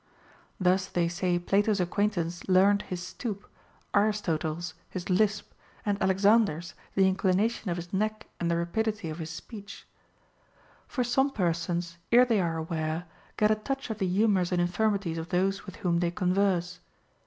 Thus they say Plato's acquaintance learned his stoop, Aristotle's his lisp, and Alexander's the inclination of his neck and the rapidity of his speech. For some per sons, ere they are aware, get a touch of the humors and infirmities of those with whom they converse.